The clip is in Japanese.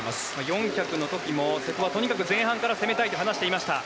４００の時も瀬戸はとにかく前半から攻めたいと話していました。